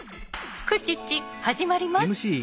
「フクチッチ」始まります！